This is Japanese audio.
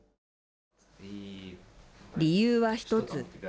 理由は一つ。